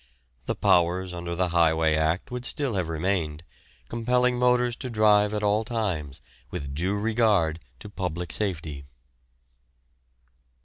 The powers under the Highway Act would still have remained, compelling motorists to drive at all times with due regard to public safety.